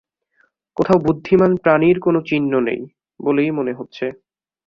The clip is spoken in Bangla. কোথাও বুদ্ধিমান প্রাণীর কোনো চিহ্ন নেই বলেই মনে হচ্ছে।